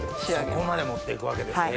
そこまで持って行くわけですね。